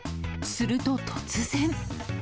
すると突然。